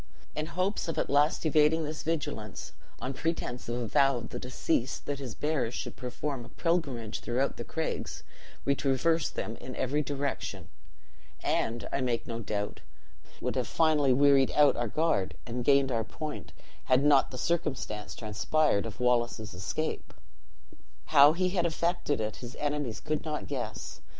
In hopes of at last evading this vigilance, on pretense of a vow of the deceased that his bearers should perform a pilgrimage throughout the craigs, we traversed them in every direction; and, I make no doubt, would have finally wearied out our guard, and gained our point, had not the circumstance transpired of Wallace's escape. "'How he had effected it, his enemies could not guess.